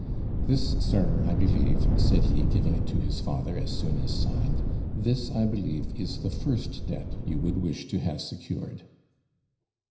'This, sir, I believe,' said he, giving it to his father as soon as signed 'this, I believe, is the first debt you would wish to have secured.'